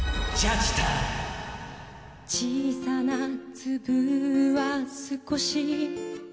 「小さな粒は少し」